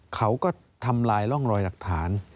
เขาก็ทำลายร่องรอยหลักฐาน